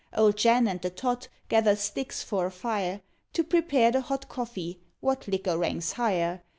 Old Jan and the Tot gather sticks for a fire, To prepare the hot coffee (what liquor ranks higher?)